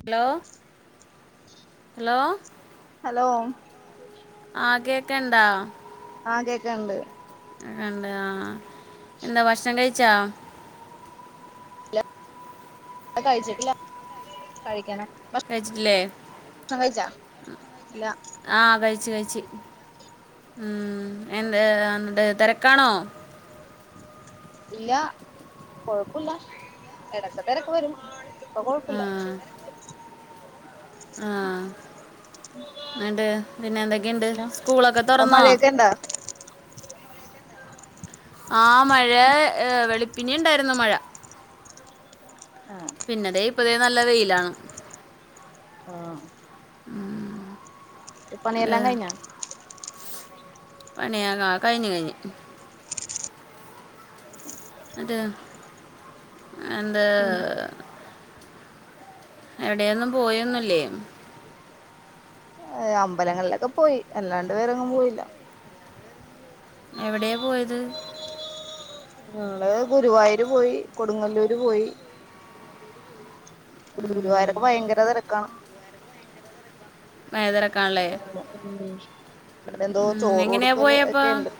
Hello hello hello ആഹ്‌ കേക്കെൺണ്ടാ? ആഹ് കേക്കണെണ്ട്. എണ്ട് ആഹ് എന്താ ഭക്ഷണം കഴിച്ചാ? കഴിച്ചട്ടില്ല കഴിക്കണം കഴിച്ചട്ടില്ലേ ഷ്ണം കഴിച്ചാ ഇല്ല ആഹ് കഴിച്ച് കഴിച്ച് ഉം എന്തായെന്ത്ട് തിരക്കാണോ ഇല്ലാ കൊഴപ്പൂല്ല എടക്ക് തെരക്കുവരും. ഇപ്പ ആ കൊഴപ്പൂല്ല ആ എന്നിട്ട് പിന്നെ എന്തൊക്കെയുണ്ട് ഹലോ, സ്കൂളൊക്കെ അവിടെ തുറന്നോ മഴയൊക്കെയുണ്ടോ ആഹ്‌. മഴ, വെളുപ്പിനെ യുണ്ടായിരുന്നു മഴ. ആ പിന്നെതേ, ഇപ്പതേ നല്ല വെയിലാണ്. ആ ഊം പണിയെല്ലാം കഴിഞ്ഞോ? പണിയാ, കാ കഴിഞ്ഞ് കഴിഞ്ഞ്. ന്നറ്റ് എന്താ. ഉം എവിടെയൊന്നും പോയൊന്നു ല്ലേ ഏഹ് അമ്പലങ്ങളിലൊക്കെ പോയി, അല്ലാണ്ട് വേറെങ്ങുംപോയില്ല. എവിടെയാ പോയത്? ഞങ്ങള് ഗുരുവായൂര് പോയി. കൊടുങ്ങല്ലൂരു പോയി. ഉം, ഗൂരുവായൂരൊക്കെ ഭയങ്കര തെരക്കാണ്. ഏഹ് തെരക്കാണ് ലേ ഉം ഇവിടെയെന്തോ, ചോറു എങ്ങനെയാ കൊടുക്കല് പോയപ്പോ ഒക്കെയിണ്ട്.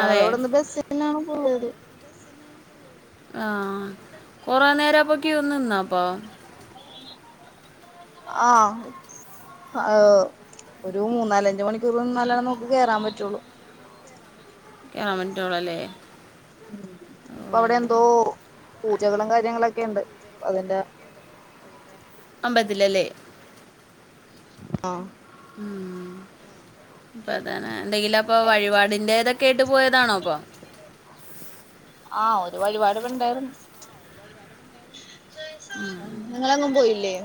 അതെ ബസ്സിനാണ് പോയത്. ആഹ് കൊറേ നേര അപ്പൊ ക്ക്യൂ നിന്നൊ അപ്പം ആഹ് അഹ് ഒരു മൂന്നാലഞ്ച് മണിക്കൂർ നിന്നാലാണ് നമുക്ക് കേറാൻ പറ്റുള്ളൂ കേറാൻ പറ്റോളല്ലേ. ഉം. ഇപ്പ അവിടെ എന്തോ പൂജകളും കാര്യങ്ങളൊക്കെയ്ണ്ട്. അപ്പ അതിന്റെ അമ്പത്തിലല്ലേ ആഹ് ഉം അപ്പ അതാണ് ഇങ്ങെങ്കിലപ്പൊ വഴിപാടിൻ്റേതൊക്കെ ആയിട്ട് പോയതാണോ അപ്പം ആഹ് ഒരു വഴിപാട് ബടണ്ടായിരുന്നു. നിങ്ങളെങ്ങും പോയില്ലേ?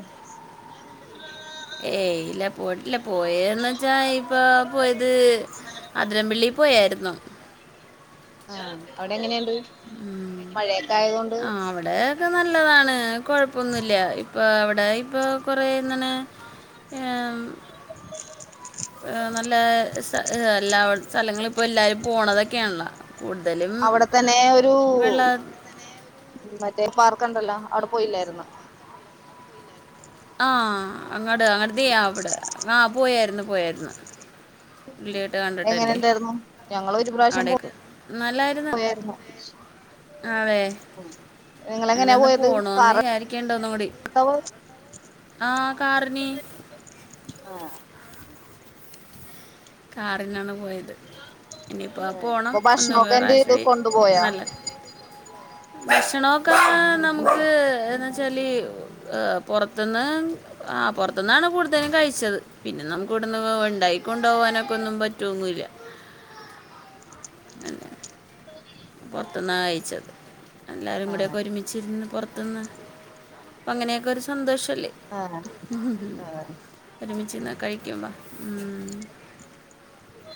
ഏയ് ഇല്ല പോയിട്ടില്ല. പോയേണ് വച്ചാ ഇപ്പൊ പോയത് അതിരംപിള്ളി പോയായിരുന്നു ആഹ് അവിടെ എങ്ങനെയുണ്ട് മഴയൊക്കെ ആയത് കൊണ്ട് ക്കെ നല്ലതാണ് കൊഴപ്പൊന്നുല്ല ഇപ്പൊ അവിടെ ഇപ്പൊ കുറേ ഇങ്ങനെ ഏം ഏഹ് നല്ല സ ഹ് എല്ലാ അവട് സ്ഥലങ്ങള് ഇപ്പോ എല്ലാരും പോണതൊക്കെയാണല്ലൊ കൂടുതലും ന്നെ ഒരു വെള്ള മറ്റേ പാർക്ക് ണ്ടല്ലോ അവിടെ പോയില്ലായിരുന്നൊ ആഹ് അങ്ങട് അങ്ങട് ദേ അവിടെ ആഹ് പോയായിരുന്നു പോയായിരുന്നു ഉള്ളിയിട്ട് എങ്ങനെണ്ടായിരുന്നു? ഞങ്ങളൊരു ആടേക്ക്. നല്ലാ പോയാര്ന്നൊ? ആഹ് വേ അതന്ന് പോയത് പോണോന്ന് കാർ വിയാരിക്ക്ണ്ട് ഒന്നൂടി എടുത്താ പോയെ ആഹ് കാറിന് ആഹ് കാറിനാണ് പോയത്. ഇനിയിപ്പോ പോണം അപ്പൊ ഒന്ന് ഭക്ഷണൊക്കെ എന്ത് ചെയ്ത് വേറാഴ്ശൂടി കൊണ്ടുപോയാ നല്ലത് ഭക്ഷണൊക്കെ നമുക്ക് എന്ന് വെച്ചാല് ഏഹ് പൊറത്ത്ന്ന് ആഹ് പൊറത്തുന്നാണ് കൂടുതലും കഴിച്ചത്. പിന്നെ നമുക്ക് ഇവട്ന്ന് ഉണ്ടായി കൊണ്ടോവാനൊക്കൊന്നും പറ്റൊ ഒന്നുല്ല. അങ്ങനെ. പൊറത്ത്ന്നാ കഴിച്ചത്. എല്ലാരും ആഹ് കൂടെയൊക്കെ ഒരുമിച്ചിരുന്ന് പൊർ ത്ത്ന്ന്. അപ്പൊ അങ്ങനെയൊക്കെ ഒരു സന്തോഷവല്ലേ ആഹ് ആഹ് ഒരുമിച്ചിരുന്ന് കഴിക്കുമ്പ ഉം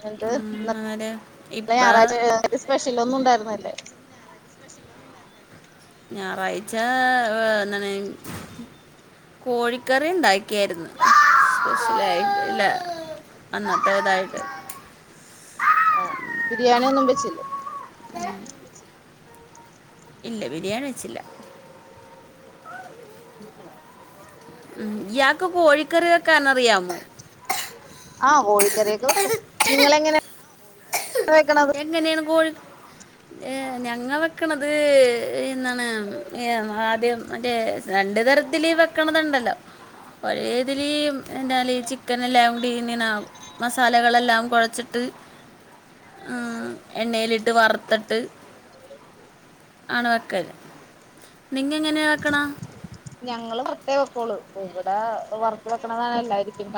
ന്ന് അങ്ങനെ ഞായറാഴ്ച ഇപ്പം സ്പെഷ്യലൊന്നും ണ്ടായിരുന്നല്ലേ ഞായറാഴ്ച എന്തണ് കോഴിക്കറി ഉണ്ടായി ഒക്കെയായിരുന്നു സ്പെഷ്യലായിട്ട്ല്ല അന്നത്തേതായിട്ട് ആ ബിരിയാണി ഒന്നും വെച്ചില്ലേ ഉ [inaudible] ഇല്ല ബിരിയാണി വെച്ചില്ല ഉ യാക്ക് കോഴിക്കറി വൊക്കാനറിയാമോ ആ കോഴിക്കറിക്കെവെക്കുംനിങ്ങള എങ്ങനെ വെക്കണത് എങ്ങനെയാണ് കോഴി ഏ ഞങ്ങളൊ ക്ക്ണത് എന്താണ് ഏ ആദ്യം മറ്റേ രണ്ട് തരത്തിൽ വെക്കണതുണ്ടല്ലോ ഒരേതില എന്താൽ ഈ ചിക്കനെല്ലാംകൂടി ങ്ങനെ മസാലകളെല്ലാം കുഴച്ചിട്ട് ആഎണ്ണയിലിട്ട് വറുത്തിട്ട് ആണ് വെക്കല് നിങ്ങ എങ്ങനെയാ വെക്കണ ഞങ്ങള് വർത്തെ വെക്കോളു ഇവിടെ വറുത്ത് വെക്കണതല്ലായിരിക്കും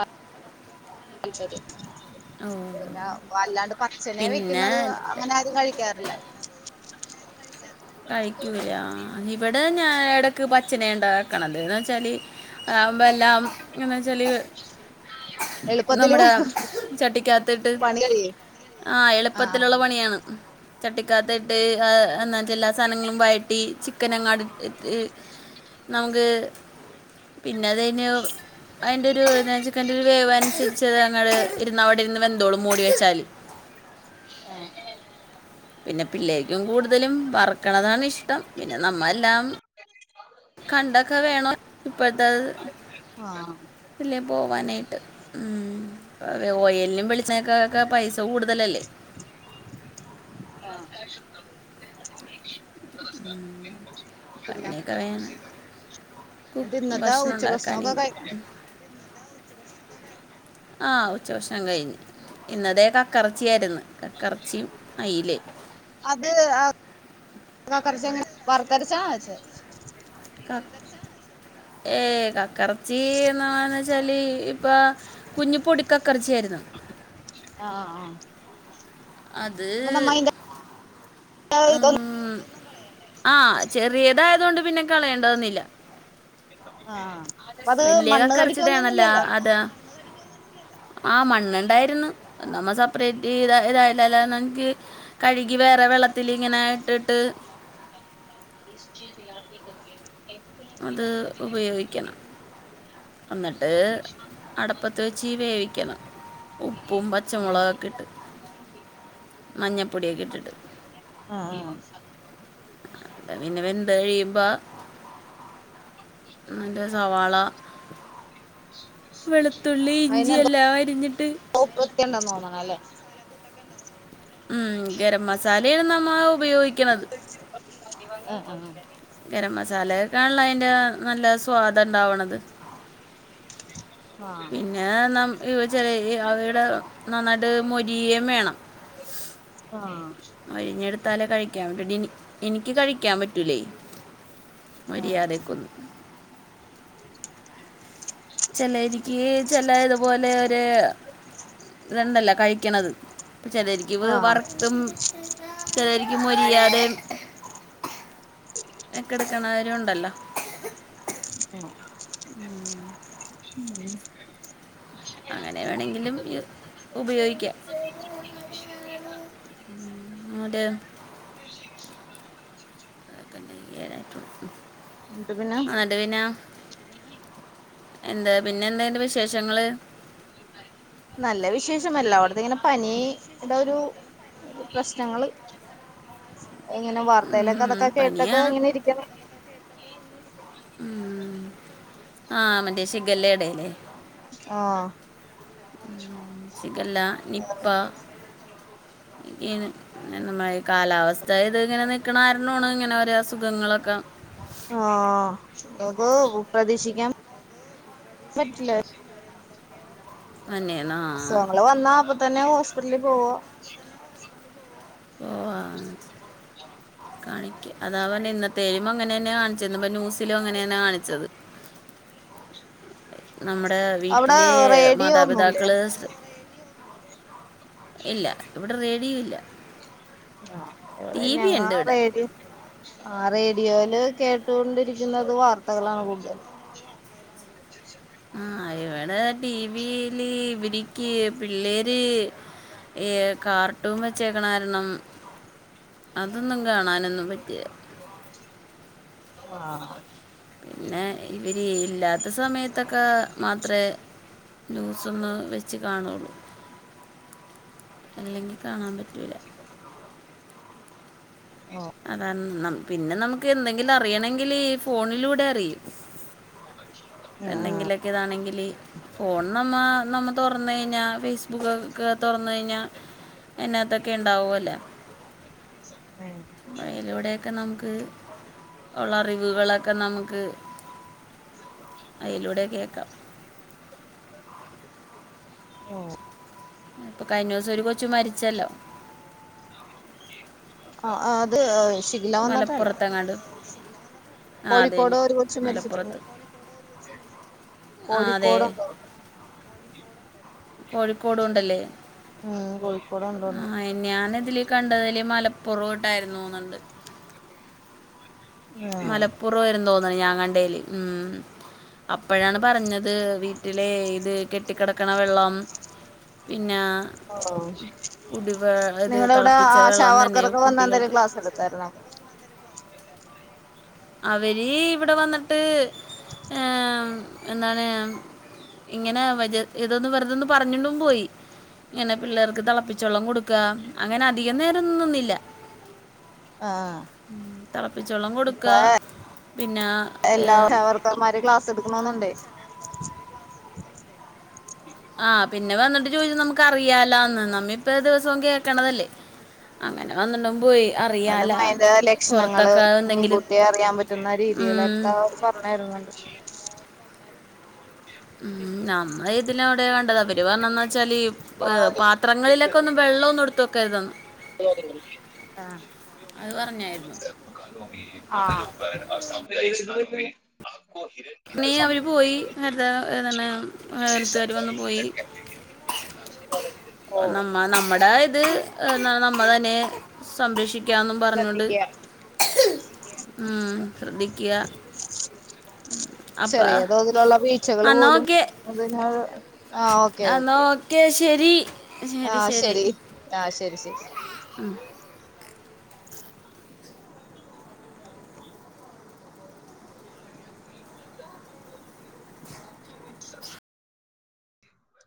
ശരി ശരി [unintelligible] ഓ പിന്ന വല്ലാണ്ട് പച്ചനെ പിന്നെ വെക്കുന്നത് അങ്ങനെ ആരും കഴിക്കാറില്ല കഴിക്കൂലേ ആ ഇവിടെ ഞാ ഇടക്ക് പച്ചന ഇണ്ടാക്കണത് എന്ന് വെച്ചാല് അതാകുമ്പം എല്ലാം എങ്ങന വെച്ചാല് എളുപ്പത്തില് നമ്മുടെ ചട്ടിക്കാത്തിട്ട് പണി കഴിയും ആഎളുപ്പത്തിലുള്ള ആഹ് പണിയാണ് ചട്ടിക്കാത്ത ഇട്ട് ഏ എന്നിട്ട് എല്ലാ സാധനങ്ങളും വഴറ്റി ചിക്കൻ അങ്ങാട് ത്ത് നമുക്ക് പിന്നെ അത് കഴിഞ്ഞ് അതിന്റെ ഒരു എന്താ ച്ചാ ചിക്കന്റെ ഒരു വേവ് അനുസരിച്ച് അത് അങ്ങട് ഇരുന്ന് അവിടെരുന്ന് വെന്തോളും മൂടി വെച്ചാൽ ആഹ് പിന്നെ പിള്ളേക്കും കൂടുതലും വറക്കണതാണ് ഇഷ്ടം പിന്നെ നമ്മെല്ലാം കണ്ടൊക്കെ വേണോ ഇപ്പഴത്തത് ആഹ് ഇല്ലേ പോവാനായിട്ട് മ് ഓയലിനും വെളിച് ച്ചെണ്ണക്കക്കെ പൈസ കൂടുതലല്ലേ ആഹ് അപ്പം പിന്ന അങ്ങനെയൊക്കെ വേണം കു- എന്നിട്ട് ഇന്നത്തെ ഭക്ഷണം ഉച്ച ഉണ്ടാക്കാൻ ഭക്ഷണൊക്കെ ഇത് കഴിഞ്ഞാ ആ ഉച്ചഭക്ഷണം കഴിഞ്ഞ് ഇന്ന് ദേ കക്കറച്ചിയായിരുന്നു കക്കറച്ചിയും അയിലയും അത് ആ കക്കറച്ചി എങ്ങനെ വറത്തരച്ചാണോ വെച്ച ക ഏയ് കക്കറച്ചി എന്നാ പറഞ്ഞ് വെച്ചാല് ഇപ്പൊ കുഞ്ഞി പൊടിക്കക്കറച്ചി ആയിരുന്നു ആ ആഹ് അത് അപ്പൊ നമ്മ അയിന്റെ ഉം ആ ചെറിയതായതുകൊണ്ട് പിന്നെ കളയേണ്ടവന്നില്ല ആ അപ്പ അത് വലിയ മണ്ണ് കടിക്കലൊന്നും കക്കറച്ചിടയാണല്ലോ ഇല്ലല്ലോ ആഹഗു മണ്ണ്ണ്ടായിരുന്നു നമ്മ സെപ്പറേറ്റ് ചെയ്ത് ഇതായില്ലായിരുന്നെങ്കി കഴുകി വേറെ വെള്ളത്തില് ഇങ്ങനെയിട്ടിട്ട് സ് ചീല്ലാ നക്കതി [unintelligible] അത് ഉപയോഗിക്കണം അന്നിട്ട് അടപ്പത്ത് വെച്ചീ വേവിക്കണം ഉപ്പും പച്ചമുളകൊക്കെ ഇട്ട് മഞ്ഞപ്പൊടിയൊക്കെ ഇട്ടിട്ട് ആഹ് ആ പിന്ന വെന്ത കഴിയുമ്പ ന്നിന്റെ സവാള വെളുത്തുള്ളി ഇഞ്ചി എല്ലാം അരിഞ്ഞിട്ട് പോപ്പത്തിയണ്ടന്ന് തോന്നണ് അല്ലേ ഉം ഗരം മസാലയാണ് നമ്മ ഉപയോഗിക്ക് ആ ആ ഗരം മസാലയൊക്കെ ആണല്ലോ അതിന്റെ നല്ല സ്വാദ ഉണ്ടാവണത് [inaudible] പിന്നെ നമ്മുക്ക് വെച്ചാല് അവിടെ നന്നായിട്ട് മൊരിയേം വേണം ആഹ് മൊരിഞ്ഞെടുത്താലേ കഴിക്കാൻ പറ്റൂ എനിക്ക് കഴിക്കാൻ പറ്റൂലേ മൊരിയാതേക്കുന്നും ചിലരിക്ക് ചില ഇതുപോലെ ഒരു ഇതണ്ടല്ലോ കഴി ക്കണത് ചിലരിക്ക് വേ വറത്തും ചിലരിക്കു മൊരിയാതേം എക്കെ എടുക്കണവരും ഉണ്ടല്ലോ മ് ഉം അങ്ങനെ വേണെങ്കിലും ഇ ഉപയോഗിക്കാം അതെ [unintelligible] ക്കെട്ട എന്നിട്ട് പിന്നെ എന്നട്ട് പിന്നെ എന്താ പിന്നെ എന്തറെ വിശേഷങ്ങള് [inaudible] നല്ല വിശേഷമല്ല അവിടത്തെ ഇങ്ങനെ പനിയുടെ ഒരു പ്രശ്നങ്ങള് എങ്ങനെ വാർത്തയിലൊക്കെ അതൊക്കെ കേട്ടൊക്കെ പനിയാണ് ഇങ്ങനെ ഇരിക്ക ഉ ആഹ മറ്റേ ശിഖല്ലടല്ലേ ആഹ സിക്കല്ല നിപ്പ ഏന നമ്മ കാലാവസ്ഥ ഇത് ഇങ്ങനെ നൽക്കണ കാരണമാണ് ഇങ്ങനെ ഒര അസുഖങ്ങളൊക്കെ ആഹ അക്ക് പ്രതീക്ഷിക്കാൻ പറ്റില്ല തന്നെയാണ് ആ അസുഖങ്ങള് വന്നാ അപ്പ തന്നെ ഹോസ്പിറ്റലിൽ പോവോ ഓ കാണിക്ക അതാ അവന്നെ ഇന്നത്തെേ ഇപ്പ അങ്ങനെ തന്നെയാ കാണിച്ചത് ഈ ന്യൂസിലും അങ്ങനെ തന്നെ കാണിച്ചത് നമ്മുടെ അവിടെ വീട്ടിലെ റേഡിയോ ഒന്നുല്ലേ മാതാപിതാക്കള് ഇല്ല ഇവിടെ റേഡിയോ ഇല്ല ആഹ ടി എവിടെന്നെ വി ഉണ്ട് ഇവിടെ ഞങ്ങാറര് ആ റേഡിയോയില് കേട്ടുകൊണ്ടിരിക്കുന്നത് വാർത്തകളാണ് കൂടുതൽ [inaudible] ആ ഇവിടെ ടിവിയില് ഇവനിക്ക് പിള്ളേര് ഈ കാർട്ടൂൺ വെച്ചേക്കണാരണം അതൊന്നും കാണാനൊന്നും പറ്റില്ല ആഹ പിന്നെ ഇവര് ഇല്ലാത്ത സമയത്തൊക്കെ മാത്രേ ന്യൂസ് ഒന്ന് വെച്ച് കാണുള്ളൂ അല്ലെങ്കിൽ കാണാൻ പറ്റില്ല [inaudible] അതാണ് പിന്നെ നമുക്ക് എന്തെങ്കിലും അറിയണെങ്കിൽ ഫോണിലൂടെ അറിയും ആഹ് എന്തെങ്കിലൊക്കെ ഇതാണെങ്കില് ഫോൺ നമ്മ നമ്മ തുറന്ന് കഴിഞ്ഞാൽ ഫേസ്ബുക്ക്ക്കെ തുറന്ന കഴിഞ്ഞാൽ ഇകത്തൊക്കെ ഉണ്ടാവുവ അല്ലേ [unintelligible] ബലൂടെയൊക്കെ നമുക്ക് ഉള്ള അറിവുകളൊക്കെ നമുക്ക് അയലൂടെ കേക്കാം ആഹ്. അപ്പൊ കഴിഞ്ഞ ദിവസം ഒരു കൊച്ചു മരിച്ചല്ലോ. ആഹ് അത്. ശിഖില വന്നിട്ടല്ല മലപ്പുറത്തെങ്ങാണ്ട്. ആ അതെ കോഴിക്കോട് തന്നെ ഒരു കൊച്ച് മരിച്ചിട്ടുണ്ട്. മലപ്പുറത്ത് ആ അതെ കോഴിക്കോട് എന്തോ ഉണ്ട്. കോഴിക്കോടും ഉണ്ടല്ലേ ഉം കോഴിക്കോട് ഉണ്ടോന്ന്. ഞാൻ ഇതില് കണ്ടതില് മലപ്പുറം ഉണ്ടായിരുന്നു തോന്നുണ്ട്. ആഹ് മലപ്പുറം ആരുന്നുന്ന് തോന്നണ് ഞാൻ കണ്ടതില് ഉം അപ്പോഴാണ് പറഞ്ഞത് വി ട്ടിലെ ഇത് കെട്ടിക്കിടക്കണ വെള്ളം ആന്ന് പിന്നെ. ആഹ് കുടി വെ ഇത് നിങ്ങള തിളപ്പിച്ച വെള്ളം തന്നെ കുട്ടികൾക്ക്. [unintelligible] എടുത്താരുന്നാ. അവര് ഇവിടെ വന്നിട്ട് ഏഹ് എന്താണ് ഇങ്ങനെ ഏതൊന്നന്ന് വെറുതൊന്നന്ന് പറഞ്ഞിണ്ടും പോയി. ഇങ്ങനെ പിള്ളേർക്ക് തിളപ്പിച്ചാ വെള്ളം കൊടുക്കുക അങ്ങനെ അധികം നേരം ഒന്നും നിന്നില്ല. ആഹ് തിളപ്പിച്ച വെള്ളം കെടുക്കാ. എല്ലാവർക്കും ഓര് ക്ലാസ്സ് എടുക്കണൊന്നുണ്ടേ. ആഹ് പിന്നെ വന്നിട്ട് ചോയ്ച്ചു നമ്ക്കറിയാലോന്ന് നമ്മി ഇപ്പെ ദിവസോ കേക്കണതല്ലേ? അങ്ങനെ വന്നുണ്ട് പോയി എന്നാലും അറിയാലോ അതിന്റെ ലക്ഷണങ്ങള് പൊറത്തൊക്കെ എന്തെങ്കിലും. മുൻകൂട്ടി അറിയാൻ പറ്റുന്ന രീതിയിലൊക്കെ ഉം. അവര് പറഞ്ഞു തരുന്നുണ്ട്. ഉം നമ്മളി തിനോട് അവര് പറഞ്ഞതെന്നാവച്ചാല് ഈ പാത്രങ്ങളിലൊക്കെയെന്നും വെള്ളൊന്നു എടുത്ത് വെക്കരുതെന്ന്. ആഹ്. അത് പറഞ്ഞായിരുന്നു ആഹ്. പിന്നെ അവര് പോയി ഹരിത ഏർ, തന്നെ ഹെൽത്തുകാർ വന്ന് പോയി ഓ നമ്മ നമ്മടെ ഇത് ഏഹ് നമ്മ തന്നെ. സംരക്ഷിക്കാന്നും പറഞ്ഞോണ്ട് ശ്രദ്ധിക്കുക ഉം ശ്രദ്ധിക്യാ. ഉം. ചെറിയ തോതിലുള്ള ബീച്ചകള് പോലും ഓക്കെ അതിന് ആഹ് ഓക്കെ ഓക്കെ. ക്കെ ശരി ശരി ശരി. ആഹ് ശരി ശരി. ഉം.